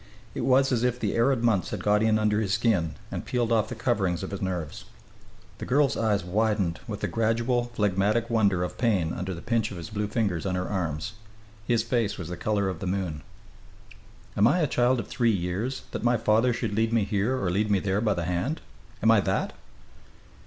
It was as if the arid months had got in under his skin and peeled off the coverings of his nerves. The girl's eyes widened with a gradual, phlegmatic wonder of pain under the pinch of his blue fingers on her arms. His face was the colour of the moon. "Am I a child of three years, that my father should lead me here or lead me there by the hand? Am I that?"